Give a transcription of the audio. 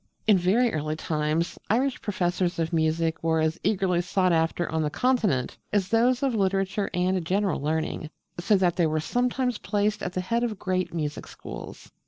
In very early times Irish professors of music were as eagerly sought after on the Continent as those of literature and general learning, so that they were sometimes placed at the head of great music schools.